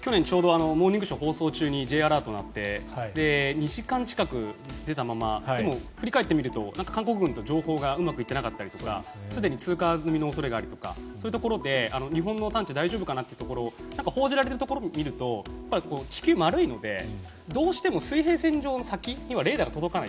去年ちょうど「モーニングショー」放送中にＪアラートが鳴って２時間近く出たままでも振り返ってみると韓国軍と情報がうまくいっていなかったりとかすでに通過済みの恐れがあるとかでそういうところで日本の探知大丈夫かなってところ報じられているところを見ると地球、丸いのでどうしても水辺線上の先にレーダーが届かない。